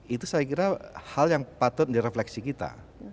itu saya kira hal yang patut direfleksi kita